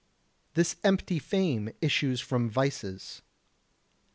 This empty fame issues from vices.